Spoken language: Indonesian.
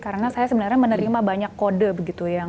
karena saya sebenarnya menerima banyak kode